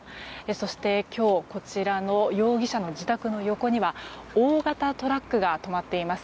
そして、今日こちらの容疑者の自宅の横には大型トラックが止まっています。